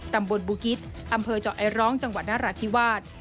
ตำบลบูกิจอำเภอเจาะไอร้องจังหวัดนราธิวาส